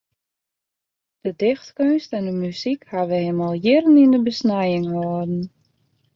De dichtkeunst en de muzyk hawwe him al dy jierren yn de besnijing holden.